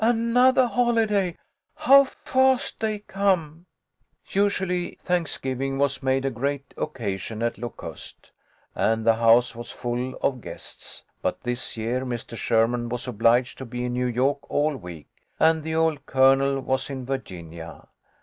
" Anothah holiday ! How fast they come !" Usually Thanksgiving was made a great occasion at Locust, and the house was full of guests ; but this year Mr. Sherman was obliged to be in New York all week, and the old Colonel was in Virginia.